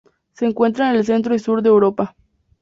Se encuentra en el centro y sur de Europa.